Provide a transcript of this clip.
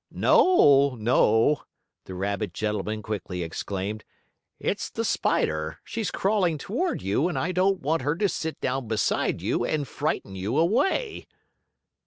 "No, no," the rabbit gentleman quickly exclaimed. "It's the spider. She's crawling toward you, and I don't want her to sit down beside you, and frighten you away."